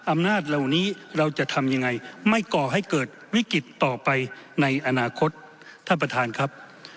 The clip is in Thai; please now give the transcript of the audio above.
อำนาจเหล่านี้เราจะทำยังไงไม่ก่อให้เกิดวิกฤตต่อไปในอนาคตท่านประธานครับ